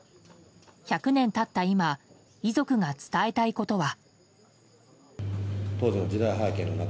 １００年経った今遺族が伝えたいことは。